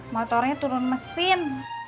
motornya turun mesin